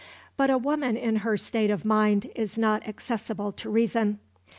But a woman in her state of mind is not accessible to reason.